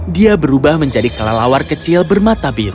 dia berubah menjadi kelelawar kecil bermata biru